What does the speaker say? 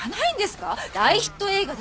大ヒット映画ですよ。